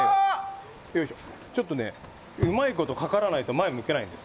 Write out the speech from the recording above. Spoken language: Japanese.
ちょっとうまいことかからないと前を向けないんです。